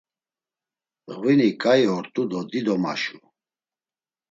Ğvini ǩai ort̆u do dido maşu.